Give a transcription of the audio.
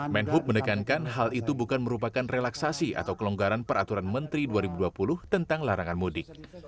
menhub menekankan hal itu bukan merupakan relaksasi atau kelonggaran peraturan menteri dua ribu dua puluh tentang larangan mudik